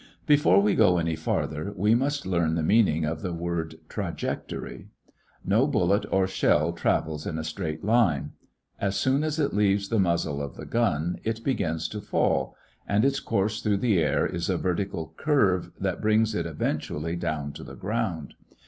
Before we go any farther we must learn the meaning of the word "trajectory." No bullet or shell travels in a straight line. As soon as it leaves the muzzle of the gun, it begins to fall, and its course through the air is a vertical curve that brings it eventually down to the ground.